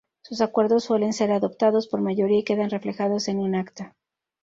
Sus acuerdos suelen ser adoptados por mayoría y quedan reflejados en un Acta.